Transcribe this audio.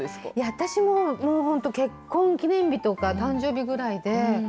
私も、もう本当、結婚記念日とか誕生日ぐらいで。